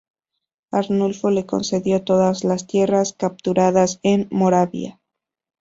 Arnulfo le concedió todas las tierras capturadas en Moravia.